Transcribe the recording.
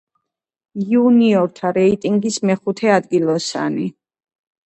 იუნიორთა რეიტინგის მეხუთე ადგილოსანი.